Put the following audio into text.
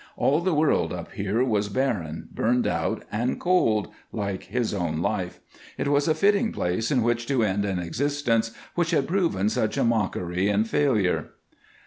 All the world up here was barren, burned out, and cold, like his own life; it was a fitting place in which to end an existence which had proven such a mockery and failure.